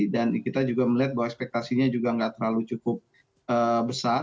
dan kita juga melihat bahwa ekspektasinya juga nggak terlalu cukup besar